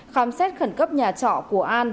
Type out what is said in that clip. khám xét khẩn cấp nhà trọ của an